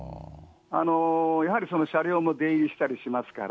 やはり車両も出入りしたりしますから。